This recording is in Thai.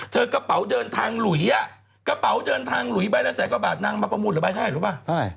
เธอกระเป๋าเดินทางหลุยบ้านละ๑๐๐กว่าบาทนางมาประมูลหรือบ้านไข้รู้ป่ะ